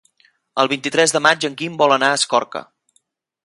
El vint-i-tres de maig en Guim vol anar a Escorca.